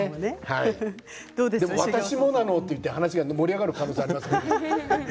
でも私もなのと話が盛り上がる可能性がありますね。